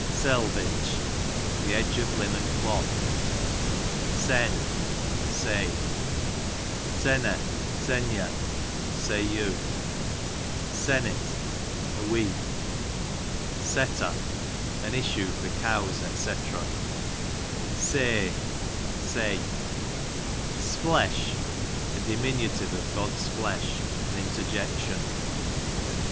Selvege, the edge of linen cloth. Sen, say. Senneli, ) Senye,r"^2/o«. Sennit, a loeek. Setter, an issue for cows, dc. Sey, say. 'Sflesh, a diminutive of God's flesh, an interjection.